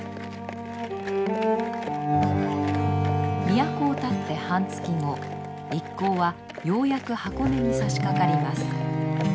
都をたって半月後一行はようやく箱根にさしかかります。